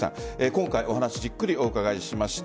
今回、お話をじっくりお伺いしました。